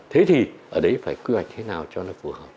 thế thì ở đấy phải quy hoạch thế nào cho nó phù hợp